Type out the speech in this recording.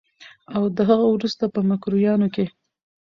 او د هغه وروسته په مکروریانو کې